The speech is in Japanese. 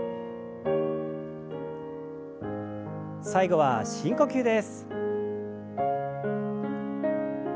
最後は深呼吸です。